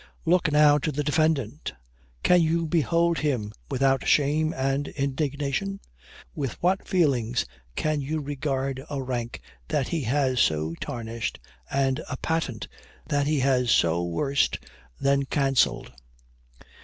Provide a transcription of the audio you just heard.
Look now to the defendant! Can you behold him without shame and indignation? With what feelings can you regard a rank that he has so tarnished, and a patent that he has so worse than cancelled?